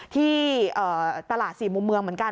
ที่ตลาด๔มุมเมืองเหมือนกัน